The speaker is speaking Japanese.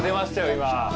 今。